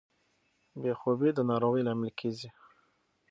بې خوبي د ناروغۍ لامل کیږي.